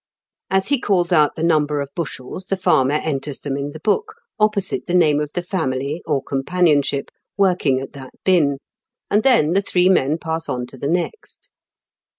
As he calls out the number of bushels, the farmer enters them in the book, opposite the name of the family or companionship working at that binn, and then the three men pass on to the next.